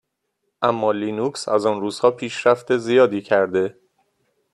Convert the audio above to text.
اما لینوکس از آن روزها پیشرفت زیادی کرده.